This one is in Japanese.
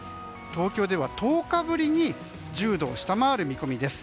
東京では１０日ぶりに１０度を下回る見込みです。